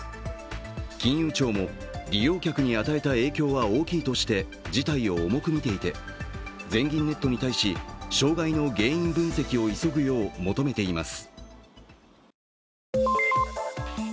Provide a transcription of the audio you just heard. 金融庁も、利用客に与えた影響は大きいとして事態を重く見ていて全銀ネットに対し、障害の原因分析を急ぐよう求めています。